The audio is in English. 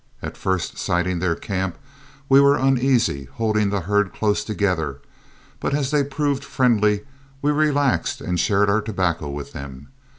At first sighting their camp we were uneasy, holding the herd close together; but as they proved friendly, we relaxed and shared our tobacco with the men.